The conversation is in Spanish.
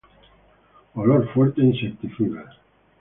Olor fuerte a insecticida.